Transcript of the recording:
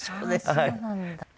ああそうなんだ。